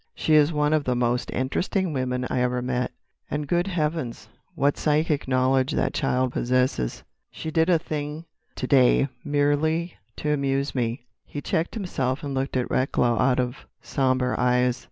"She is one of the most interesting women I ever met. And good heavens!—what psychic knowledge that child possesses! She did a thing to day—merely to amuse me——" He checked himself and looked at Recklow out of sombre eyes.